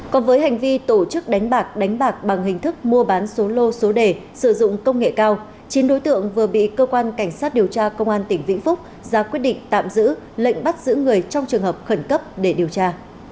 còn với hành vi tổ chức đánh bạc đánh bạc bằng hình thức mua bán số lô số đề sử dụng công nghệ cao chín đối tượng vừa bị cơ quan cảnh sát điều tra công an tỉnh vĩnh phúc ra quyết định tạm giữ lệnh bắt giữ người trong trường hợp khẩn cấp để điều tra